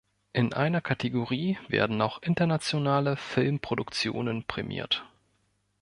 In einer Kategorie werden auch internationale Filmproduktionen prämiert.